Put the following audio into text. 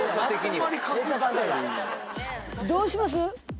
どうします？